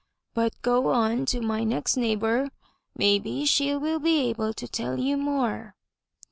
But go on to my next neighbor. Maybe she will be able to tell you more.''